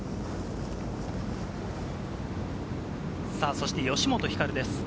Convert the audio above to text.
そして吉本ひかるです。